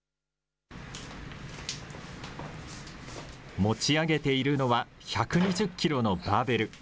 持ち上げているのは１２０キロのバーベル。